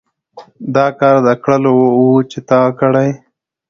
دا کار د کړلو وو چې تا کړى.